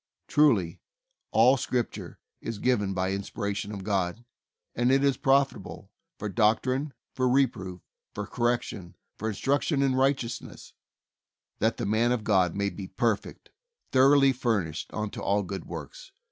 Truly, "all Scripture is given by inspiration of God, and it is profitable for doctrine, for reproof, for correction, for instruction in righteousness, that the man of God may be perfect, thor oughly furnished unto all good works."